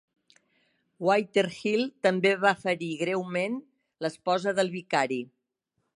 Weatherhill també va ferir greument l'esposa del vicari.